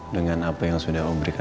dengan apa yang sudah allah berikan